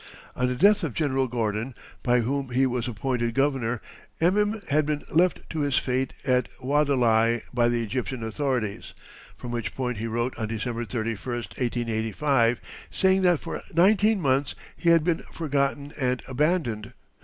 On the death of General Gordon, by whom he was appointed governor, Emin had been left to his fate at Wadelai by the Egyptian authorities, from which point he wrote on December 31, 1885, saying that for nineteen months he had been forgotten and abandoned.